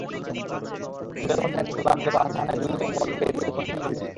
ফুলের মধ্যে আছে গোলাপ, জবা, হাসনাহেনা, জুঁই, রঙ্গন, বেলি, মল্লিকা প্রভৃতি।